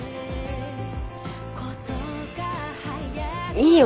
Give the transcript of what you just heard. いいよ。